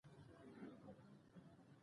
د افغانستان بازارونو پخوا شهرت درلود.